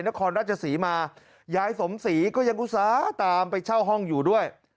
นครราชศรีมายายสมศรีก็ยังอุตส่าห์ตามไปเช่าห้องอยู่ด้วย